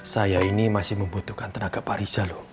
saya ini masih membutuhkan tenaga pak rizal